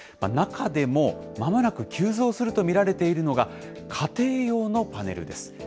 中でも、まもなく急増すると見られているのが、家庭用のパネルです。